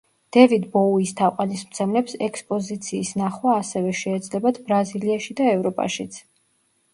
დევიდ ბოუის თაყვანისმცემლებს ექსპოზიციის ნახვა ასევე შეეძლებათ ბრაზილიაში და ევროპაშიც.